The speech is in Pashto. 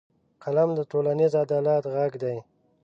قلم د ټولنیز عدالت غږ دی